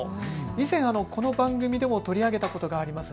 以前、この番組でも取り上げたことがあります。